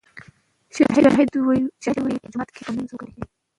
شاهد ووې جومات کښې به مونځ وکړو